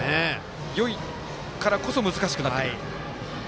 よいからこそ難しくなってくる。